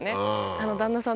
あの旦那さん